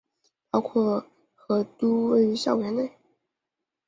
包括和都位于校园内。